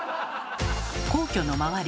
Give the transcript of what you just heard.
皇居の周り